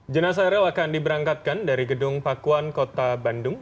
jenasa eril akan diberangkatkan dari gedung pakuan kota bandung